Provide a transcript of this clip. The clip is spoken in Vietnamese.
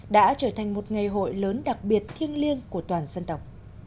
đã trở thành một ngày hội lớn đặc biệt thiêng liêng của toàn dân tộc